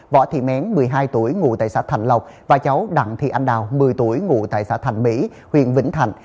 võ thị mén một mươi hai tuổi ngụ tại xã thạnh lộc và cháu đặng thị anh đào một mươi tuổi ngụ tại xã thành mỹ huyện vĩnh thạnh